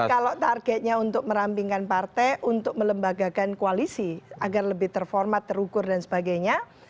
kalau targetnya untuk merampingkan partai untuk melembagakan koalisi agar lebih terformat terukur dan sebagainya